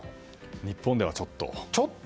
日本ではちょっと。